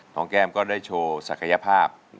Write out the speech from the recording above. คุณแก้มก็ได้โชว์สักยภาษะ